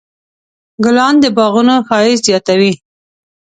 ګلان د باغونو ښایست زیاتوي.